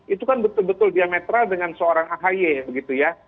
itu kan betul betul diametral dengan seorang ahy begitu ya